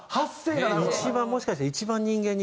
一番もしかしたら。